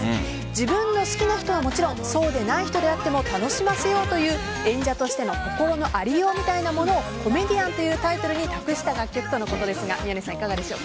自分の好きな人はもちろんそうでない人であっても楽しませようという演者としての心のありようみたいなものを「コメディアン」というタイトルに託した楽曲とのことですが宮根さん、いかがでしょう？